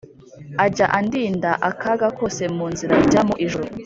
Ajya andinda akaga kose munzira ijya mu ijuru